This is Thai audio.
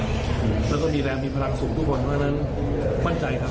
แล้วก็มีแรงมีพลังสูงทุกคนเพราะฉะนั้นมั่นใจครับ